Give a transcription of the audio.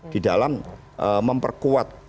di dalam memperkuat